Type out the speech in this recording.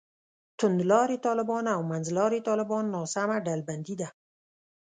توندلاري طالبان او منځلاري طالبان ناسمه ډلبندي ده.